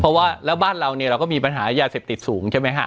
เพราะว่าแล้วบ้านเราเนี่ยเราก็มีปัญหายาเสพติดสูงใช่ไหมฮะ